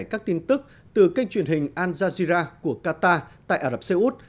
các tin tức từ kênh truyền hình al jazeera của qatar tại ả rập xê út